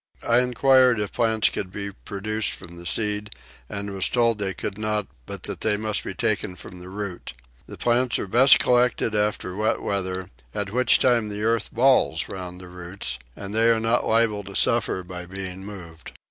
I enquired if plants could be produced from the seed and was told they could not but that they must be taken from the root. The plants are best collected after wet weather, at which time the earth balls round the roots and they are not liable to suffer by being moved.